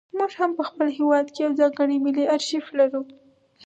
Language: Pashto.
موږ هم په خپل هېواد کې یو ځانګړی ملي ارشیف لرو.